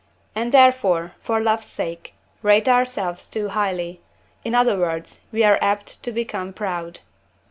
and therefore, for love's sake, rate ourselves too highly; in other words, we are apt to become proud.